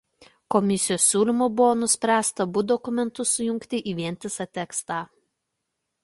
Komisijos siūlymu buvo nuspręsta abu dokumentus sujungti į vientisą tekstą.